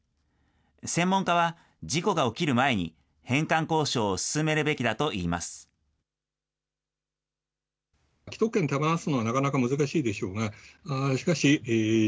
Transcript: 専門家は事故が起きる前に返還交渉を進めるべきだといいます。